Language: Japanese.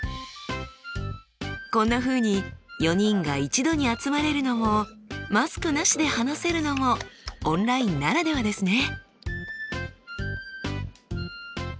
こんなふうに４人が一度に集まれるのもマスクなしで話せるのもオンラインならではですね。